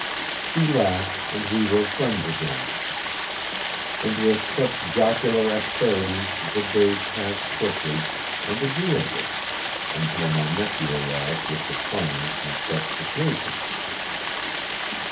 She laughed and we were friends again. And with such jocular asperities the days passed quickly and agreeably until my nephew arrived with the plans and specifications.